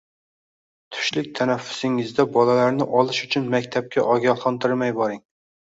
Tushlik tanaffusingizda bolalarni olish uchun maktabga ogohlantirmay boring